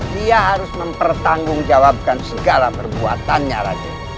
dia harus mempertanggungjawabkan segala perbuatannya